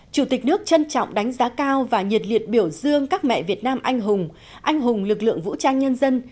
chủ tịch nước trân trọng đánh giá cao và nhiệt liệt biểu dương các mẹ việt nam anh hùng anh hùng lực lượng vũ trang nhân dân